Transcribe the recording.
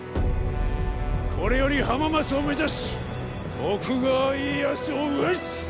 これより浜松を目指し徳川家康を討つ！